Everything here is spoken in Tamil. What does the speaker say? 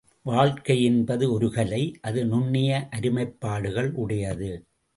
வாழ்க்கை என்பது ஒருகலை அது நுண்ணிய அருமைப்பாடுகள் உடையது.